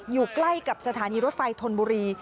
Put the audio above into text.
อยู่ใกล้กับสถานีรถไฟธนบุรี